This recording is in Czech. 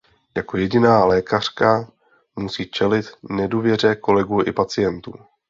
Jako jediná lékařka musí čelit nedůvěře kolegů i pacientů.